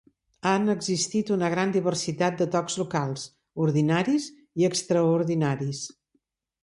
Han existit una gran diversitat de tocs locals, ordinaris i extraordinaris.